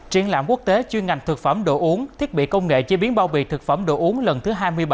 triển lãm quốc tế chuyên ngành thực phẩm đồ uống thiết bị công nghệ chế biến bao bì thực phẩm đồ uống lần thứ hai mươi bảy